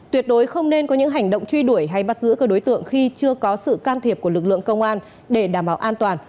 tuyệt đối không nên có những hành động truy đuổi hay bắt giữ các đối tượng khi chưa có sự can thiệp của lực lượng công an để đảm bảo an toàn